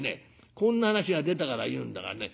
こんな話が出たから言うんだがね